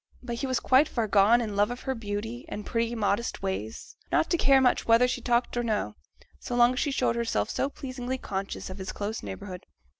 But he was quite far enough gone in love of her beauty, and pretty modest ways, not to care much whether she talked or no, so long as she showed herself so pleasingly conscious of his close neighbourhood.